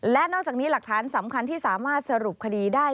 และนอกจากนี้หลักฐานสำคัญที่สามารถสรุปคดีได้